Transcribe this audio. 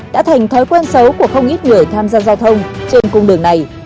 đã thành thói quen xấu của không ít người tham gia giao thông trên cung đường này